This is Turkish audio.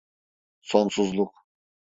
Sonsuzluk…